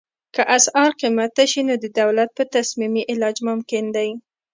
که اسعار قیمته شي نو د دولت په تصمیم یې علاج ممکن دی.